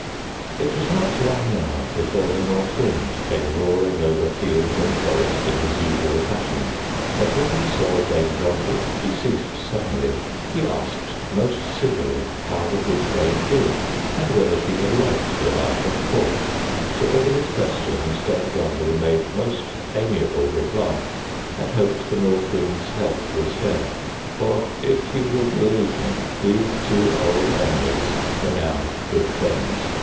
It was not long now before the North Wind came roaring over field and forest in his usual fashion, but when he saw Dame Grumble he ceased suddenly. He asked most civilly how the good dame did and whether she had liked the life at court. To all his questions Dame Grumble made most amiable reply and hoped the North Wind's health was fair. For, if you will believe me, these two old enemies were now good friends.